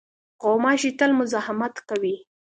غوماشې تل مزاحمت کوي.